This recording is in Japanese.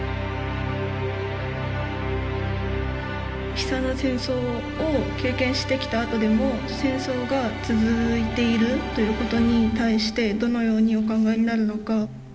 悲惨な戦争を経験してきたあとでも戦争が続いているということに対してどのようにお考えになるのか。